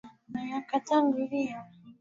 au chuo kilichojengwa katika Zama za Kati